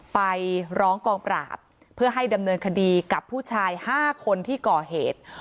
ไปร้องกองปราบเพื่อให้ดำเนินคดีกับผู้ชาย๕คนที่ก่อเหตุ